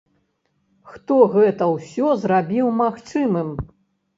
Хто гэта ўсё зрабіў магчымым?